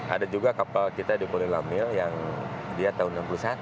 ada juga kapal kita di poli lamil yang dia tahun seribu sembilan puluh satu